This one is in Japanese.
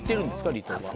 離島は。